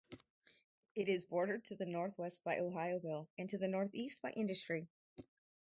It is bordered to the northwest by Ohioville and to the northeast by Industry.